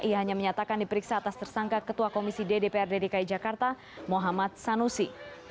ianya menyatakan diperiksa atas tersangka ketua komisi dprd dki jakarta muhammad sanusi